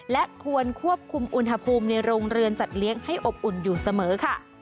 และควรควบคุมอุณหภูมิในโรงเรือนสัตว์เลี้ยงให้อบอุ่นอยู่เสมอค่ะ